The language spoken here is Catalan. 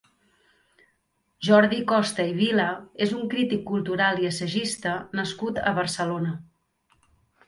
Jordi Costa i Vila és un crític cultural i assagista nascut a Barcelona.